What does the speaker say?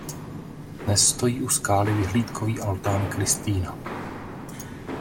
Dnes stojí u skály vyhlídkový altán Kristýna.